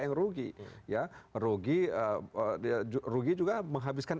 yang rugi ya rugi rugi juga menghabiskan